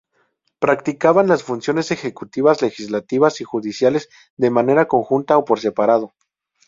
Practicaban las funciones ejecutivas, legislativas y judiciales de manera conjunta o por separado.